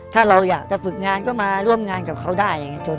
ถ้าเราอยากจะฝึกงานก็มาร่วมงานกับเขาได้